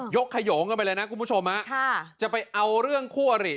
ขยงกันไปเลยนะคุณผู้ชมจะไปเอาเรื่องคู่อริ